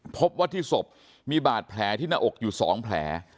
พบว่าที่ศพมีบาดแผลที่หน้าอกอยู่๒แผล